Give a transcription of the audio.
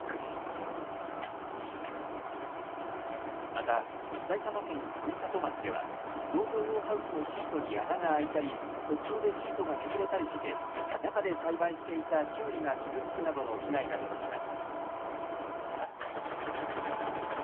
また埼玉県上里町では農業用ハウスのシートに穴が開いたり突風でシートがめくれたりして中で栽培していたきゅうりが傷つくなどの被害が出ました。